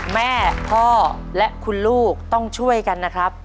แม่พ่อและคุณลูกต้องช่วยกันนะครับ